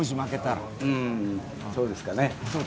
そうですかね。